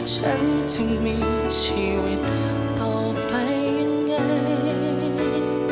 ฉันจึงมีชีวิตต่อไปยังไง